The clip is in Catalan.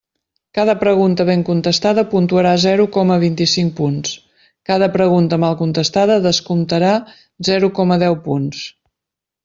Cada pregunta ben contestada puntuarà zero coma vint-i-cinc punts; cada pregunta mal contestada descomptarà zero coma deu punts.